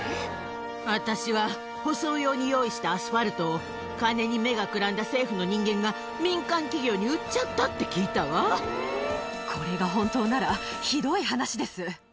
私は舗装用に用意したアスファルトを、金に目がくらんだ政府の要人が民間企業に売っちゃったって聞いたこれが本当なら、ひどい話です。